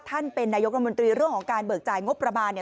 ท่านเป็นนายกรมนตรีเรื่องของการเบิกจ่ายงบประมาณ